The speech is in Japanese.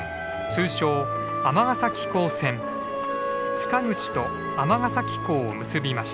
塚口と尼崎港を結びました。